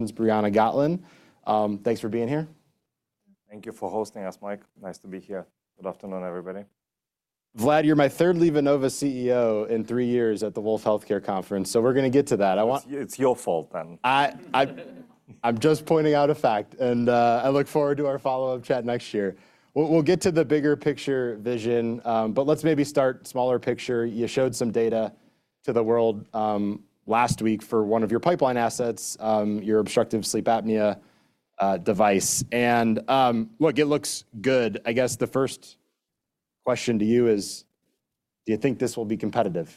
This is Briana Gotlin. Thanks for being here. Thank you for hosting us, Mike. Nice to be here. Good afternoon, everybody. Vlad, you're my third LivaNova CEO in three years at the Wolfe Healthcare Conference, so we're going to get to that. I want. It's your fault, then. I'm just pointing out a fact, and I look forward to our follow-up chat next year. We'll get to the bigger picture vision, but let's maybe start smaller picture. You showed some data to the world last week for one of your pipeline assets, your obstructive sleep apnea device. And look, it looks good. I guess the first question to you is, do you think this will be competitive?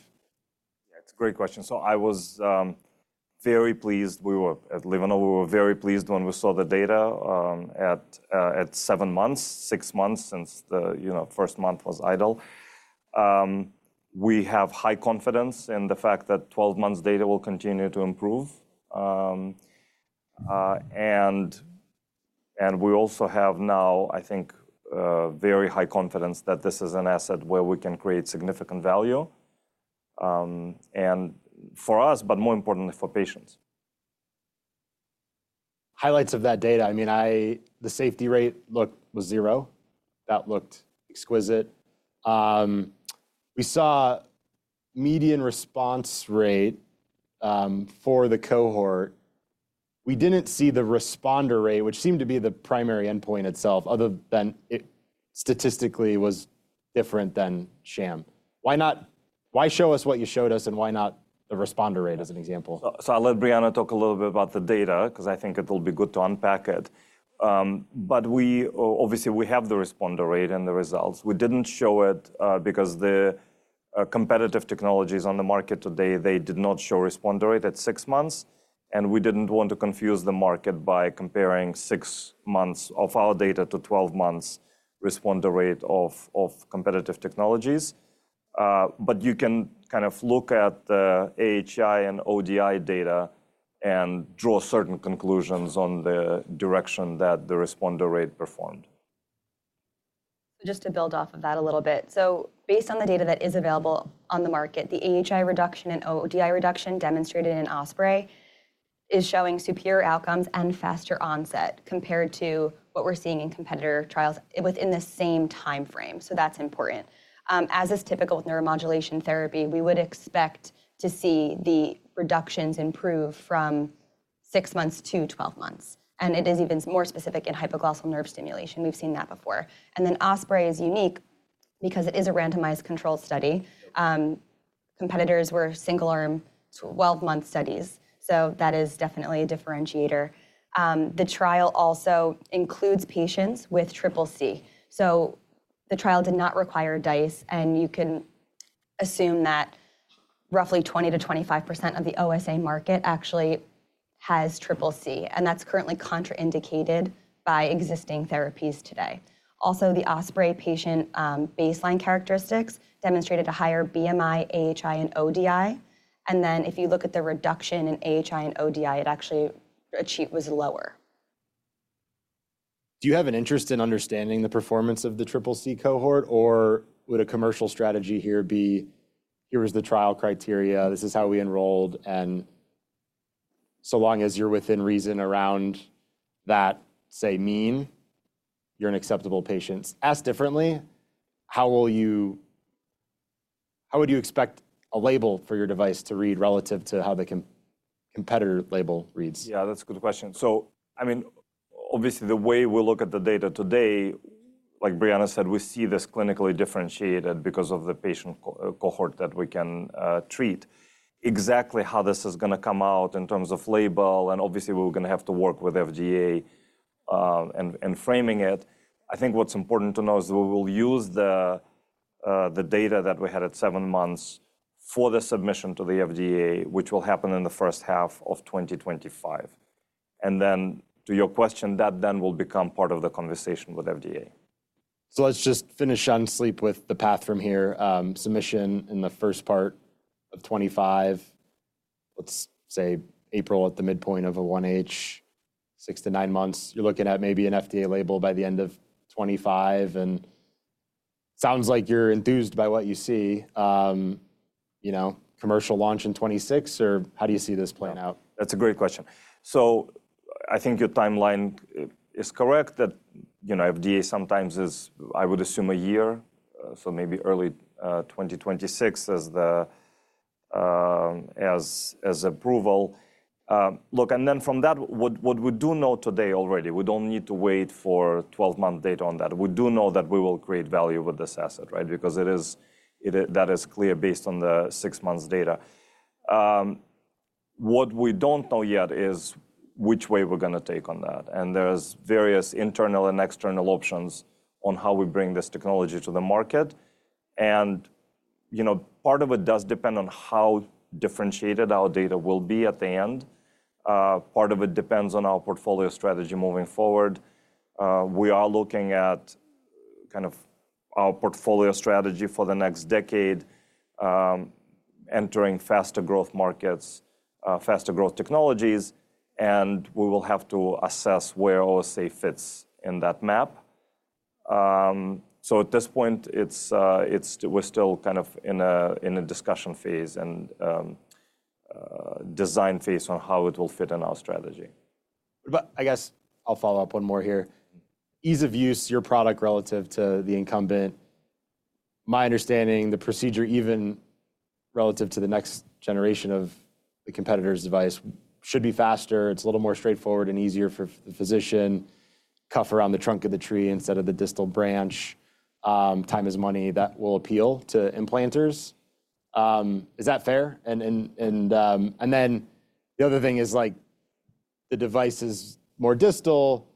Yeah, it's a great question. So I was very pleased. We were at LivaNova, we were very pleased when we saw the data at seven months, six months since the first month was idle. We have high confidence in the fact that 12 months' data will continue to improve. And we also have now, I think, very high confidence that this is an asset where we can create significant value and for us, but more importantly, for patients. Highlights of that data. I mean, the safety rate looked was zero. That looked exquisite. We saw median response rate for the cohort. We didn't see the responder rate, which seemed to be the primary endpoint itself, other than it statistically was different than sham. Why not? Why show us what you showed us, and why not the responder rate as an example? So I'll let Brianna talk a little bit about the data, because I think it will be good to unpack it. But obviously, we have the responder rate and the results. We didn't show it because the competitive technologies on the market today they did not show responder rate at six months. And we didn't want to confuse the market by comparing six months of our data to 12 months' responder rate of competitive technologies. But you can kind of look at the AHI and ODI data and draw certain conclusions on the direction that the responder rate performed. Just to build off of that a little bit, so based on the data that is available on the market, the AHI reduction and ODI reduction demonstrated in OSPREY is showing superior outcomes and faster onset compared to what we're seeing in competitor trials within the same time frame, so that's important. As is typical with neuromodulation therapy, we would expect to see the reductions improve from six months to 12 months, and it is even more specific in hypoglossal nerve stimulation. We've seen that before, and then OSPREY is unique because it is a randomized controlled study. Competitors were single-arm 12-month studies, so that is definitely a differentiator. The trial also includes patients with Triple C, so the trial did not require DICE, and you can assume that roughly 20%-25% of the OSA market actually has Triple C. And that's currently contraindicated by existing therapies today. Also, the OSPREY patient baseline characteristics demonstrated a higher BMI, AHI, and ODI, and then if you look at the reduction in AHI and ODI, it actually was lower. Do you have an interest in understanding the performance of the Triple C cohort, or would a commercial strategy here be, here was the trial criteria, this is how we enrolled, and so long as you're within reason around that, say, mean, you're an acceptable patient? Asked differently, how would you expect a label for your device to read relative to how the competitor's label reads? Yeah, that's a good question. So I mean, obviously, the way we look at the data today, like Brianna said, we see this clinically differentiated because of the patient cohort that we can treat. Exactly how this is going to come out in terms of label, and obviously, we're going to have to work with the FDA and framing it. I think what's important to know is we will use the data that we had at seven months for the submission to the FDA, which will happen in the first half of 2025. And then to your question, that then will become part of the conversation with FDA. So let's jthe ust finish on sleep with the path from here. Submission in the first part of 2025, let's say April at the midpoint of a 1H, six to nine months. You're looking at maybe an FDA label by the end of 2025. And sounds like you're enthused by what you see. Commercial launch in 2026, or how do you see this playing out? That's a great question. So I think your timeline is correct, that the FDA sometimes is, I would assume, a year. So maybe early 2026 as the approval. Look, and then from that, what we do know today already, we don't need to wait for 12-month data on that. We do know that we will create value with this asset, right? Because that is clear based on the six-month data. What we don't know yet is which way we're going to take on that. And there's various internal and external options on how we bring this technology to the market. And part of it does depend on how differentiated our data will be at the end. Part of it depends on our portfolio strategy moving forward. We are looking at kind of our portfolio strategy for the next decade, entering faster growth markets, faster growth technologies. And we will have to assess where OSA fits in that map. So at this point, we're still kind of in a discussion phase and design phase on how it will fit in our strategy. I guess I'll follow up one more here. Ease of use of your product relative to the incumbent. My understanding, the procedure, even relative to the next generation of the competitor's device, should be faster. It's a little more straightforward and easier for the physician, cuff around the trunk of the tree instead of the distal branch. Time is money. That will appeal to implanters. Is that fair? Then the other thing is the device is more distal,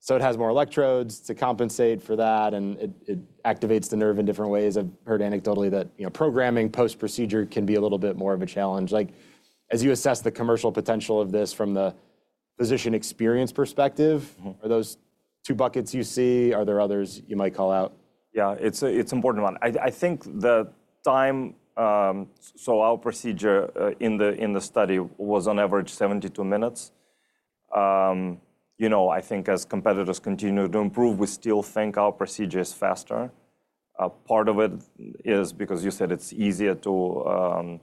so it has more electrodes to compensate for that, and it activates the nerve in different ways. I've heard anecdotally that programming post-procedure can be a little bit more of a challenge. As you assess the commercial potential of this from the physician experience perspective, are those two buckets you see? Are there others you might call out? Yeah, it's an important one. I think the time, so our procedure in the study was on average 72 minutes. I think as competitors continue to improve, we still think our procedure is faster. Part of it is because you said it's easier to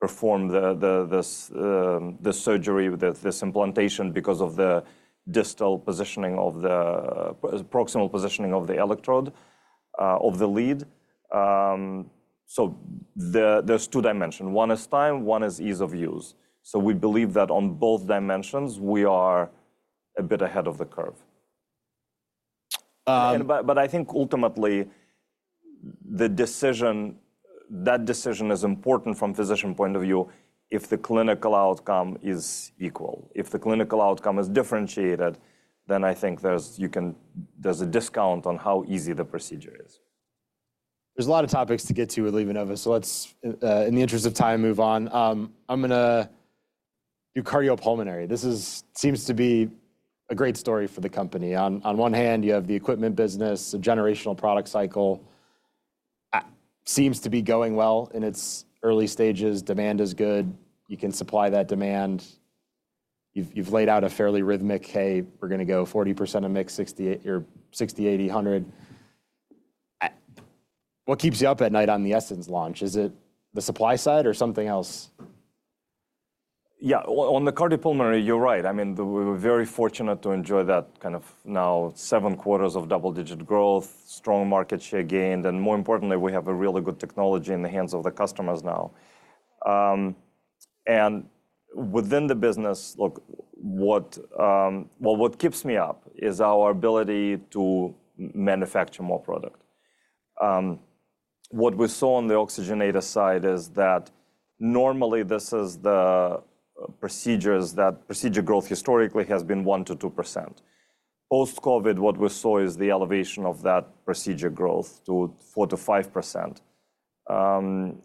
perform the surgery, this implantation, because of the distal positioning of the proximal positioning of the electrode of the lead. So there's two dimensions. One is time, one is ease of use. So we believe that on both dimensions, we are a bit ahead of the curve. But I think ultimately, that decision is important from a physician's point of view if the clinical outcome is equal. If the clinical outcome is differentiated, then I think there's a discount on how easy the procedure is. There's a lot of topics to get to with LivaNova, so let's, in the interest of time, move on. I'm going to do cardiopulmonary. This seems to be a great story for the company. On one hand, you have the equipment business, the generational product cycle seems to be going well in its early stages. Demand is good. You can supply that demand. You've laid out a fairly rhythmic, hey, we're going to go 40% of mix 60/80/100. What keeps you up at night on the Essenz launch? Is it the supply side or something else? Yeah, on the Cardiopulmonary, you're right. I mean, we were very fortunate to enjoy that kind of now seven quarters of double-digit growth, strong market share gained, and more importantly, we have a really good technology in the hands of the customers now. And within the business, look, what keeps me up is our ability to manufacture more product. What we saw on the oxygenator side is that normally, this is the procedure growth historically has been 1%-2%. Post-COVID, what we saw is the elevation of that procedure growth to 4%-5%.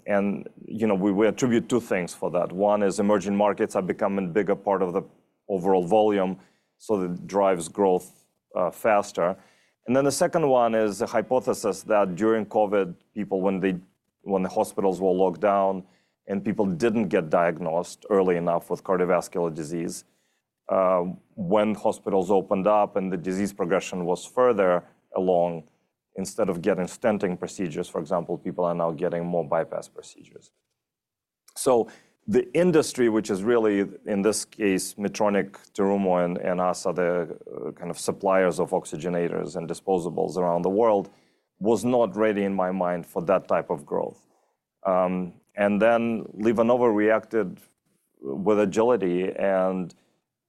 And we attribute two things for that. One is emerging markets are becoming a bigger part of the overall volume, so that drives growth faster. And then the second one is the hypothesis that during COVID, when the hospitals were locked down and people didn't get diagnosed early enough with cardiovascular disease, when hospitals opened up, and the disease progression was further along, instead of getting stenting procedures, for example, people are now getting more bypass procedures. So the industry, which is really in this case, Medtronic, Terumo, and us, are the kind of supplier of oxygenators and disposables around the world, was not ready in my mind for that type of growth. And then LivaNova reacted with agility and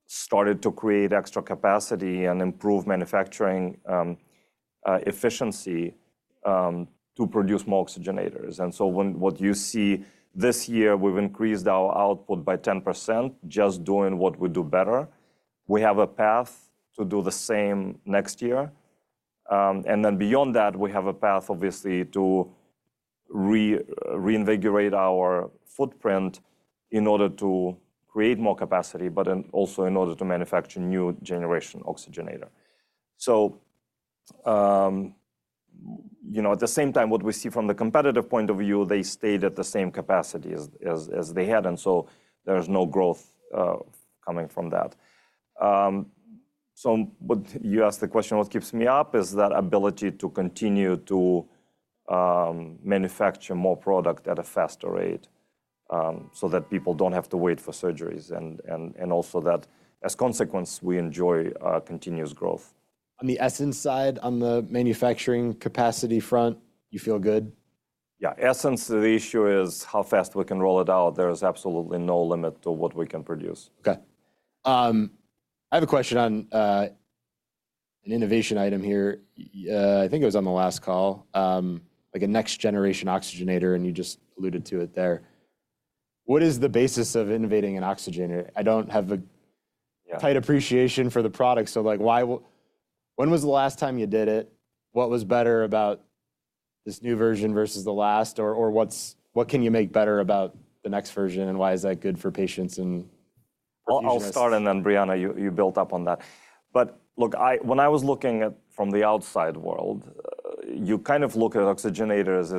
started to create extra capacity and improve manufacturing efficiency to produce more oxygenators. And so what you see this year, we've increased our output by 10% just doing what we do better. We have a path to do the same next year. And then beyond that, we have a path, obviously, to reinvigorate our footprint in order to create more capacity, but also in order to manufacture a new generation oxygenator. So at the same time, what we see from the competitive point of view, they stayed at the same capacity as they had. And so there's no growth coming from that. So you asked the question, what keeps me up is the, ability to continue to manufacture more product at a faster rate so that people don't have to wait for surgeries. And also that, as a consequence, we enjoy continuous growth. On the Essenz side, on the manufacturing capacity front, you feel good? Yeah, Essenz, the issue is how fast we can roll it out. There is absolutely no limit to what we can produce. OK. I have a question on an innovation item here. I think it was on the last call, like a next-generation oxygenator, and you just alluded to it there. What is the basis of innovating an oxygenator? I don't have a tight appreciation for the product. So when was the last time you did it? What was better about this new version versus the last? Or what can you make better about the next version? And why is that good for patients and practitioners? I'll start, and then Brianna, you build up on that. But look, when I was looking at it from the outside world, you kind of look at oxygenators,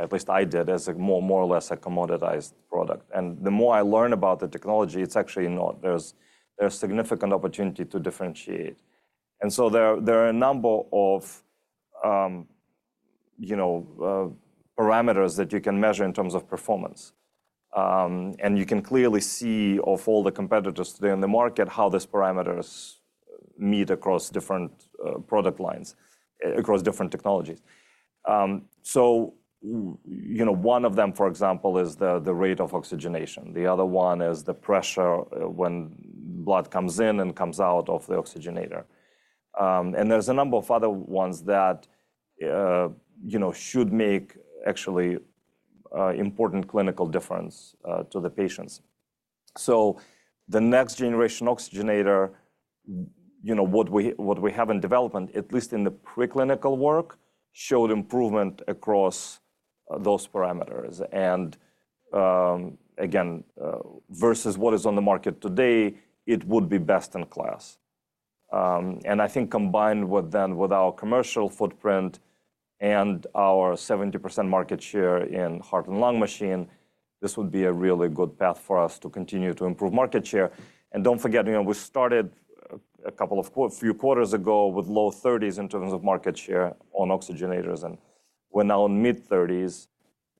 at least I did, as more or less a commoditized product. And the more I learn about the technology, it's actually not. There's a significant opportunity to differentiate. And so there are a number of parameters that you can measure in terms of performance. And you can clearly see of all the competitors today on the market how these parameters meet across different product lines, across different technologies. So one of them, for example, is the rate of oxygenation. The other one is the pressure when blood comes in and comes out of the oxygenator. And there's a number of other ones that should make actually an important clinical difference to the patients. The next-generation oxygenator, what we have in development, at least in the preclinical work, showed improvement across those parameters. Again, versus what is on the market today, it would be best in class. I think, combined then with our commercial footprint and our 70% market share in heart and lung machines, this would be a really good path for us to continue to improve market share. Don't forget, we started a few quarters ago with low 30s in terms of market share on oxygenators. We're now in mid-30s.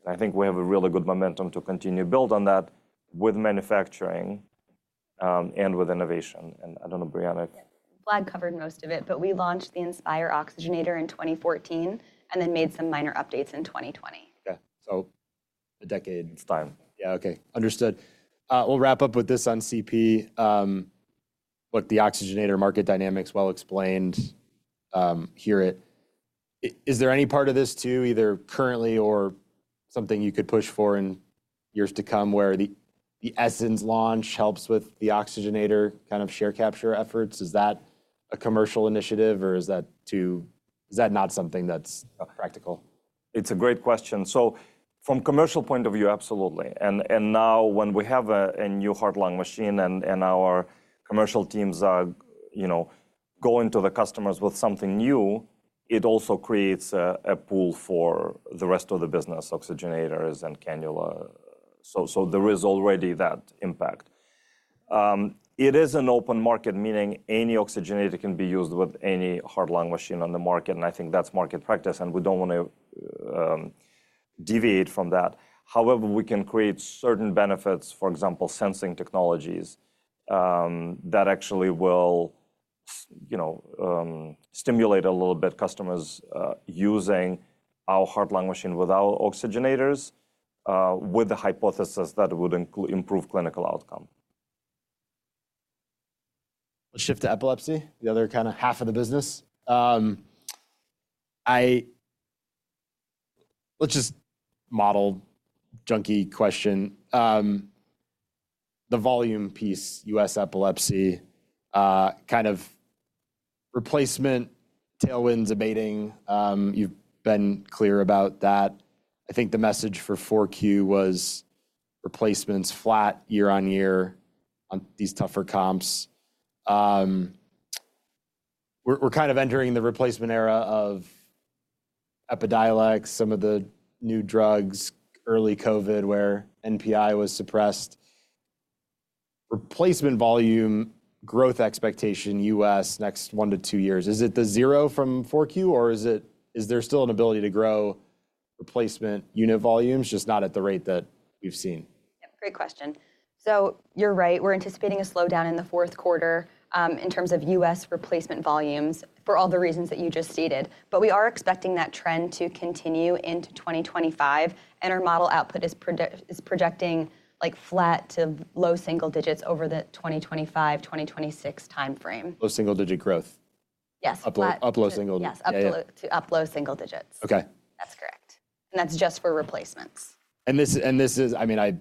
I think we have a really good momentum to continue to build on that with manufacturing and with innovation. I don't know, Brianna. Vlad covered most of it, but we launched the Inspire oxygenator in 2014 and then made some minor updates in 2020. OK, so a decade. Time. Yeah, OK, understood. We'll wrap up with this on CP. Look, the oxygenator market dynamics well explained here. Is there any part of this, either currently or something you could push for in years to come, where the Essence launch helps with the oxygenator kind of share capture efforts? Is that a commercial initiative, or is that not something that's practical? It's a great question. So from a commercial point of view, absolutely. And now, when we have a new heart-lung machine and our commercial teams go into the customers with something new, it also creates a pool for the rest of the business, oxygenators and cannula. So there is already that impact. It is an open market, meaning any oxygenator can be used with any heart-lung machine on the market. And I think that's market practice. And we don't want to deviate from that. However, we can create certain benefits, for example, sensing technologies that actually will stimulate a little bit customers using our heart-lung machine with our oxygenators with the hypothesis that it would improve clinical outcomes. Let's shift to epilepsy, the other kind of half of the business. Let's just model junkie question. The volume piece, US epilepsy, kind of replacement, tailwinds, abating. You've been clear about that. I think the message for four Q was replacements flat year on year on these tougher comps. We're kind of entering the replacement era of Epidiolex, some of the new drugs, early COVID where NPI was suppressed. Replacement volume growth expectation US next one to two years, is it the zero from four Q, or is there still an ability to grow replacement unit volumes, just not at the rate that we've seen? Great question. So you're right. We're anticipating a slowdown in the fourth quarter in terms of U.S. replacement volumes for all the reasons that you just stated. But we are expecting that trend to continue into 2025. And our model output is projecting flat to low single digits over the 2025, 2026 time frame. Low single-digit growth? Yes. Up low single digits. Yes, up low single digits. OK. That's correct, and that's just for replacements. This is, I mean,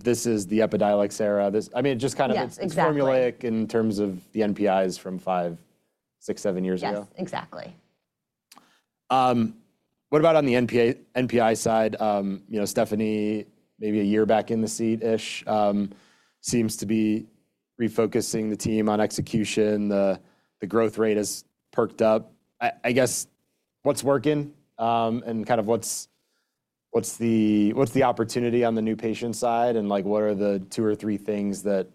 this is the Epidiolex era. I mean, it just kind of it's formulaic in terms of the NPIs from five, six, seven years ago. Yes, exactly. What about on the NPI side? Stephanie, maybe a year back in the seat-ish, seems to be refocusing the team on execution. The growth rate has perked up. I guess what's working and kind of what's the opportunity on the new patient side? And what are the two or three things that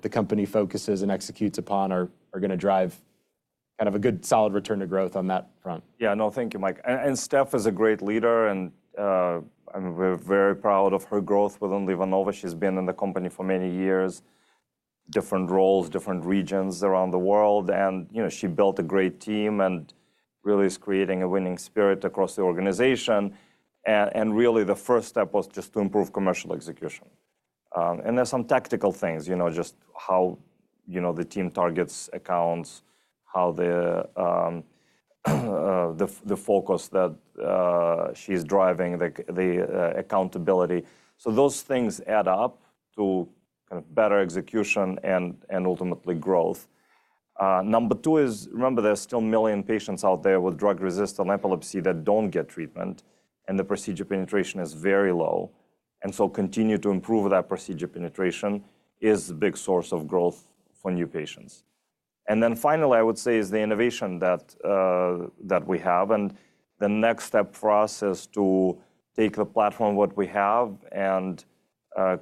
the company focuses and executes upon are going to drive kind of a good solid return to growth on that front? Yeah, no, thank you, Mike. And Steph is a great leader. And we're very proud of her growth within LivaNova. She's been in the companyin for many years, in different roles, different regions around the world. And she built a great team and really is creating a winning spirit across the organization. And really, the first step was just to improve commercial execution. And there's some tactical things, just how the team targets accounts, the focus that she's driving, the accountability. So those things add up to kind of better execution and ultimately growth. Number two is, remember, there's still a million patients out there with drug-resistant epilepsy that don't get treatment. And the procedure penetration is very low. And so continue to improve the procedure penetration is a big source of growth for new patients. And then finally, I would say is the innovation that we have. The next step for us is to take the platform of what we have and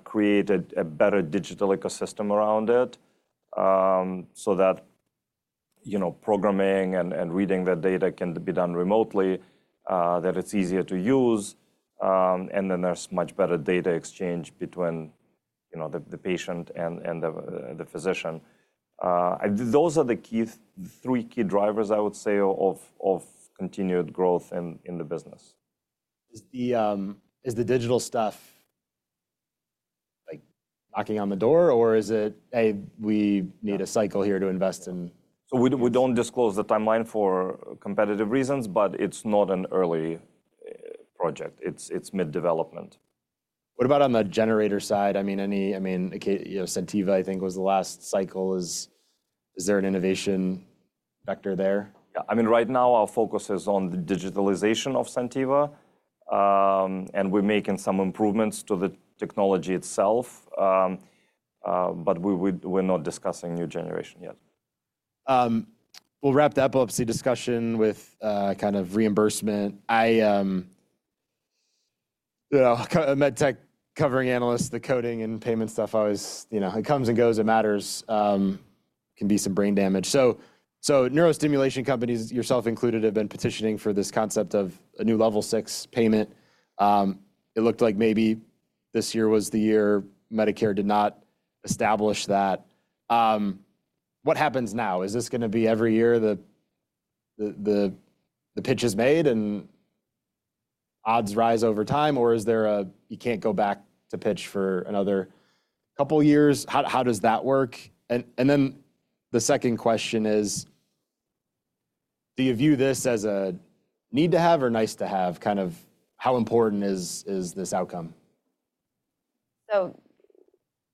create a better digital ecosystem around it so that programming and reading the data can be done remotely, that it's easier to use. Then there's much better data exchange between the patient and the physician. Those are the three key drivers, I would say, of continued growth in the business. Is the digital stuff knocking on the door, or is it, hey, we need a cycle here to invest in? So we don't disclose the timeline for competitive reasons, but it's not an early project. It's mid-development. What about on the generator side? I mean, SenTiva, I think was the last cycle. Is there an innovation vector there? Yeah, I mean, right now our focus is on the digitalization of SenTiva, and we're making some improvements to the technology itself, but we're not discussing new generation yet. We'll wrap the epilepsy discussion with kind of reimbursement. As a med tech covering analyst, the coding and payment stuff, it comes and goes. It matters. Can be some brain damage. So neurostimulation companies, yourself included, have been petitioning for this concept of a new Level 6 payment. It looked like maybe this year was the year Medicare did not establish that. What happens now? Is this going to be every year the pitch is made and odds rise over time, or is there a you can't go back to pitch for another couple of years? How does that work? And then the second question is, do you view this as a need to have or nice to have? Kind of how important is this outcome? So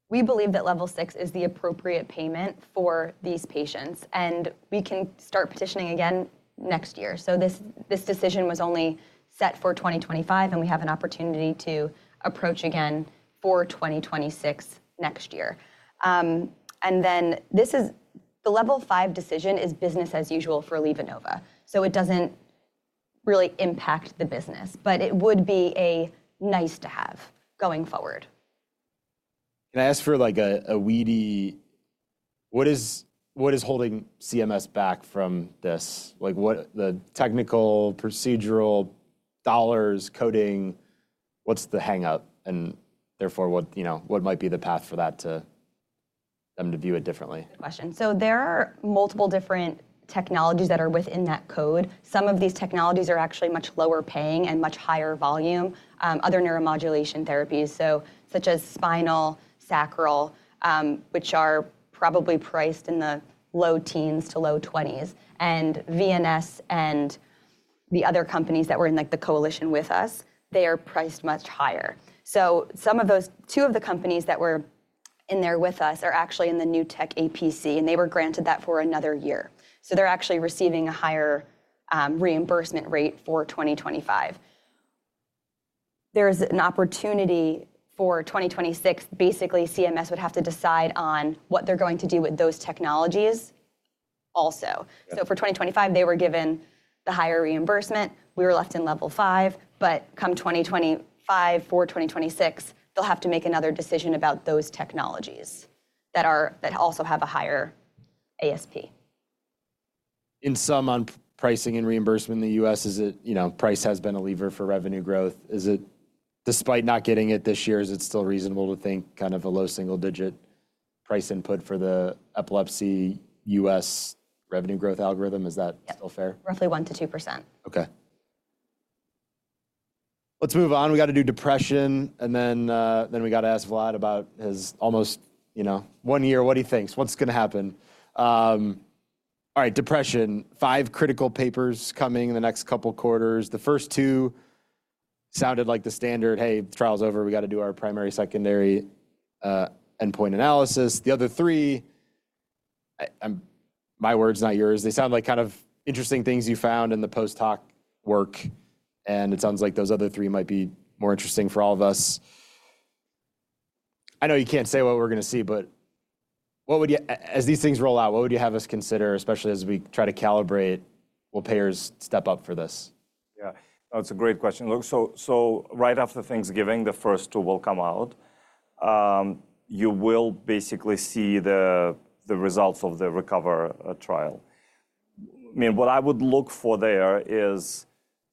we believe that Level 6 is the appropriate payment for these patients. And we can start petitioning again next year. So this decision was only set for 2025. And we have an opportunity to approach again for 2026 next year. And then the Level 5 decision is business as usual for LivaNova. So it doesn't really impact the business. But it would be a nice to have going forward. Can I ask what is holding CMS back from this? The technical, procedural dollars, coding, what's the hang-up? And therefore, what might be the path for them to view it differently? Good question. So there are multiple different technologies that are within that code. Some of these technologies are actually much lower paying and much higher volume, other neuromodulation therapies, such as spinal, sacral, which are probably priced in the low teens to low 20s. And VNS and the other companies that were in the coalition with us, they are priced much higher. So two of the companies that were in there with us are actually in the New Tech APC. And they were granted that for another year. So they're actually receiving a higher reimbursement rate for 2025. There is an opportunity for 2026. Basically, CMS would have to decide on what they're going to do with those technologies also. So for 2025, they were given the higher reimbursement. We were left in Level 5. But come 2025, for 2026, they'll have to make another decision about those technologies that also have a higher ASP. In some pricing and reimbursement in the U.S., price has been a lever for revenue growth. Despite not getting it this year, is it still reasonable to think kind of a low single digit price input for the epilepsy U.S. revenue growth algorithm? Is that still fair? Yeah, roughly 1%-2%. OK. Let's move on. We got to do depression. And then we got to ask Vlad about his almost one year, what he thinks, what's going to happen. All right, depression. Five critical papers are coming in the next couple of quarters. The first two sounded like the standard, hey, trial's over. We got to do our primary and secondary endpoint analysis. The other three, my words, not yours, they sound like kind of interesting things you found in the post-hoc work. And it sounds like those other three might be more interesting for all of us. I know you can't say what we're going to see, but as these things roll out, what would you have us consider, especially as we try to calibrate, will payers step up for this? Yeah, that's a great question. So right after Thanksgiving, the first two will come out. You will basically see the results of the RECOVER trial. I mean, what I would look for there is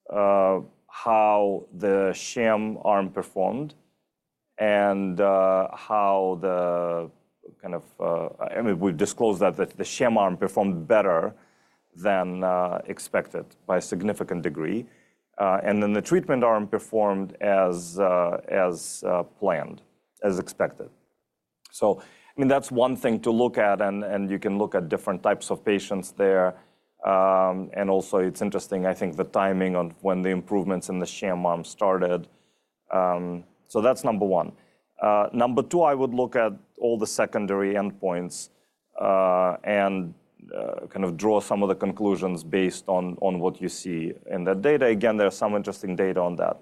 how the sham arm performed and how the kind of I mean, we've disclosed that the sham arm performed better than expected by a significant degree. And then the treatment arm performed as planned, as expected. So I mean, that's one thing to look at. And you can look at different types of patients there. And also, it's interesting, I think, the timing of when the improvements in the sham arm started. So that's number one. Number two, I would look at all the secondary endpoints and kind of draw some of the conclusions based on what you see in that data. Again, there are some interesting data on that.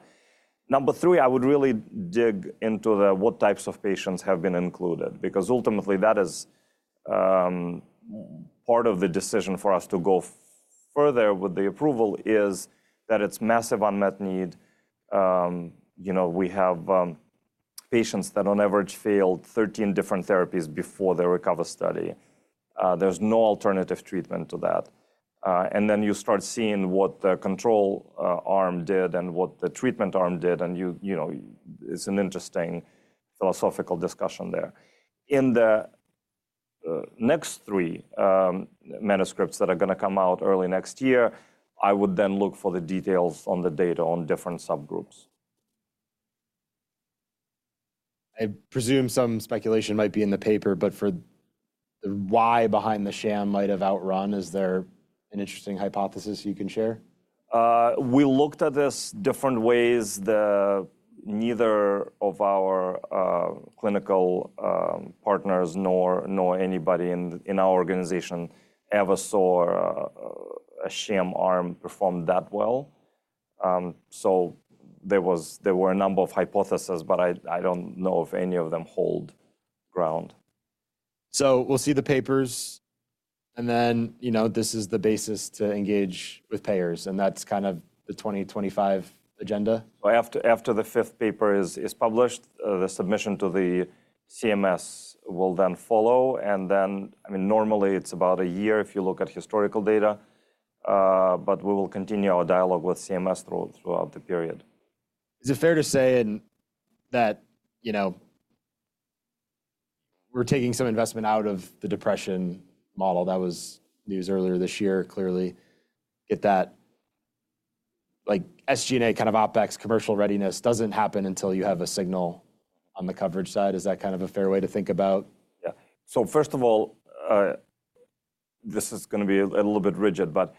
Number three, I would really dig into what types of patients have been included. Because ultimately, that is part of the decision for us to go further with the approval, is that it's massive unmet need. We have patients that on average failed 13 different therapies before the RECOVER study. There's no alternative treatment to that, and then you start seeing what the control arm did and what the treatment arm did, and it's an interesting philosophical discussion there. In the next three manuscripts that are going to come out early next year, I would then look for the details on the data on different subgroups. I presume some speculation might be in the paper, but for the why behind the sham might have outrun, is there an interesting hypothesis you can share? We looked at this different ways. Neither of our clinical partners nor anybody in our organization ever saw a sham arm perform that well. So there were a number of hypotheses. But I don't know if any of them hold ground. So we'll see the papers. And then this is the basis to engage with payers. And that's kind of the 2025 agenda? After the fifth paper is published, the submission to the CMS will then follow. And then, I mean, normally, it's about a year if you look at historical data. But we will continue our dialogue with CMS throughout the period. Is it fair to say that we're taking some investment out of the depression model? That was news earlier this year, clearly. Given that SG&A kind of OpEx commercial readiness doesn't happen until you have a signal on the coverage side. Is that kind of a fair way to think about? Yeah. So first of all, this is going to be a little bit rigid. But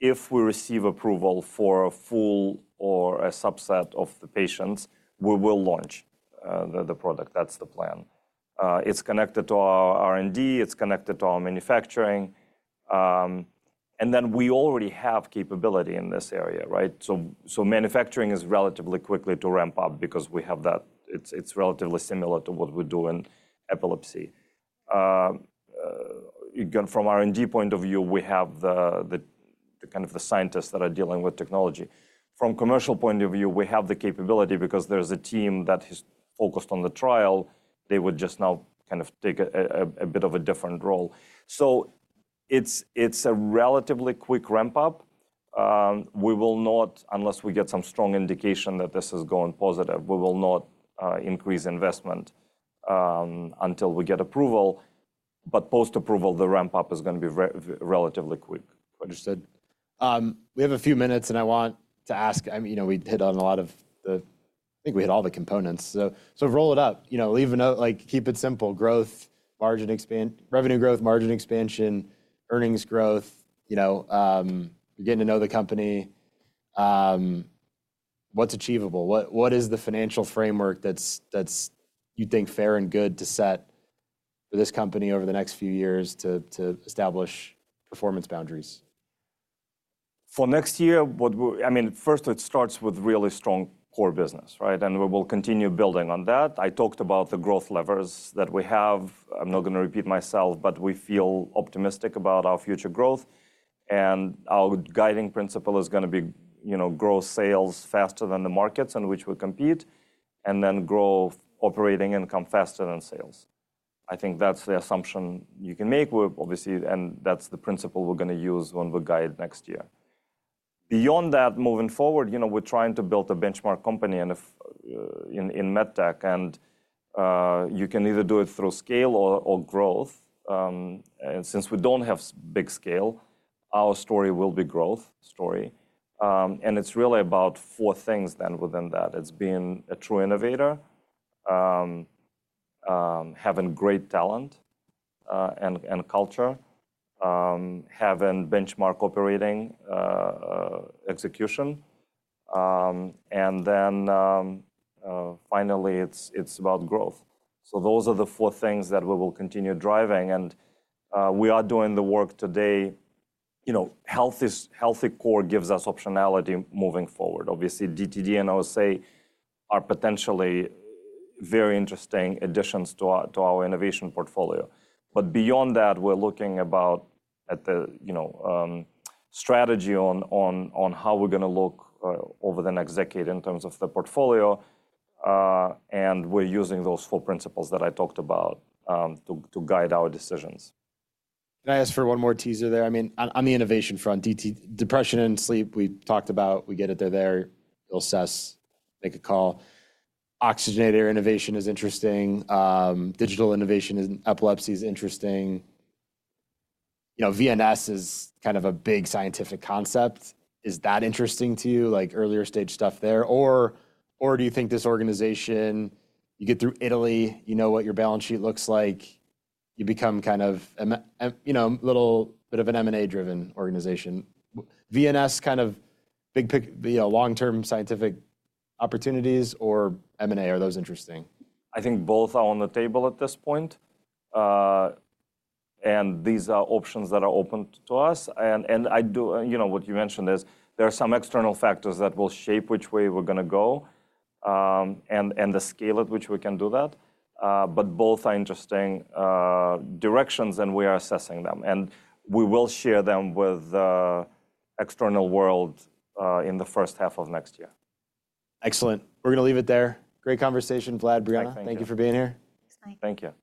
if we receive approval for a full or a subset of the patients, we will launch the product. That's the plan. It's connected to our R&D. It's connected to our manufacturing. And then we already have capability in this area, right? So manufacturing is relatively quickly to ramp up because we have that. It's relatively similar to what we do in epilepsy. Again, from R&D point of view, we have kind of the scientists that are dealing with technology. From a commercial point of view, we have the capability because there is a team that is focused on the trial. They would just now kind of take a bit of a different role. So it's a relatively quick ramp up. We will not, unless we get some strong indication that this is going positive, we will not increase investment until we get approval, but post-approval, the ramp up is going to be relatively quick. Understood. We have a few minutes, and I want to ask: We hit on a lot of, I think we hit all the components. So roll it up. Keep it simple. Growth, revenue growth, margin expansion, earnings growth. You're getting to know the company. What's achievable? What is the financial framework that you think fair and good to set for this company over the next few years to establish performance boundaries? For next year, I mean, first, it starts with really strong core business, right, and we will continue building on that. I talked about the growth levers that we have. I'm not going to repeat myself, but we feel optimistic about our future growth, and our guiding principle is going to be grow sales faster than the markets in which we compete and then grow operating income faster than sales. I think that's the assumption you can make, and that's the principle we're going to use when we guide next year. Beyond that, moving forward, we're trying to build a benchmark company in med tech, and you can either do it through scale or growth, and since we don't have big scale, our story will be a growth story, and it's really about four things then within that. It's being a true innovator, having great talent and culture, having benchmark operating execution, and then finally, it's about growth, so those are the four things that we will continue driving, and we are doing the work today. Healthy core gives us optionality moving forward. Obviously, DTD and OSA are potentially very interesting additions to our innovation portfolio, but beyond that, we're looking at the strategy on how we're going to look over the next decade in terms of the portfolio, and we're using those four principles that I talked about to guide our decisions. Can I ask for one more teaser there? I mean, on the innovation front, depression and sleep, we talked about. We get it. They're there. You'll assess and make a call. Oxygenator innovation is interesting. Digital innovation in epilepsy is interesting. VNS is kind of a big scientific concept. Is that interesting to you, earlier stage stuff there? Or do you think this organization, you get through Italy, you know what your balance sheet looks like, you become kind of a little bit of an M&A-driven organization? VNS, kind of big long-term scientific opportunities or M&A? Are those interesting? I think both are on the table at this point. And these are options that are open to us. And what you mentioned is there are some external factors that will shape the way we're going to go and the scale at which we can do that. But both are interesting directions. And we are assessing them. And we will share them with the external world in the first half of next year. Excellent. We're going to leave it there. Great conversation, Vlad, Brianna. Thank you for being here. Thanks. Thank you.